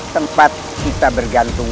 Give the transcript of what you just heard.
tempat kita bergantung